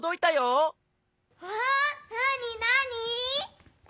わあなになに？